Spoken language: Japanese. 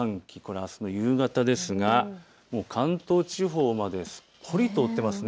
あすの夕方ですが関東地方まですっぽりと覆っていますね。